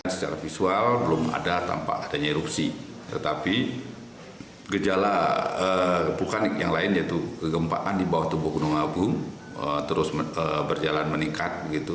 secara visual belum ada tampak adanya erupsi tetapi gejala vulkanik yang lain yaitu kegempaan di bawah tubuh gunung agung terus berjalan meningkat